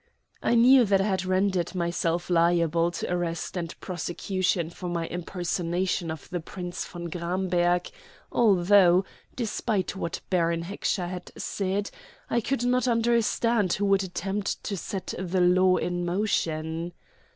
I knew that I had rendered myself liable to arrest and prosecution for my impersonation of the Prince von Gramberg, although, despite what Baron Heckscher had said, I could not understand who would attempt to set the law in motion.